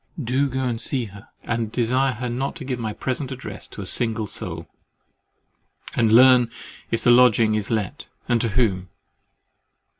Do go and see her, and desire her not to give my present address to a single soul, and learn if the lodging is let, and to whom.